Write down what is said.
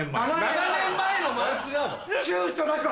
７年前のマウスガード？